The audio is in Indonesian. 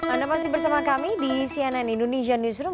anda masih bersama kami di cnn indonesia newsroom